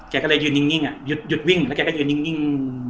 แกก็เลยยืนนิ่งหยุดวิ่งแล้วแกก็ยืนนิ่ง